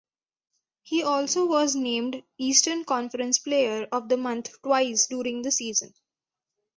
He also was named Eastern Conference Player of the Month twice during the season.